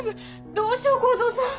どうしよう耕造さん！